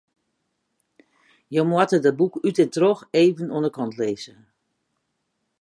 Je moatte dat boek út en troch even oan de kant lizze.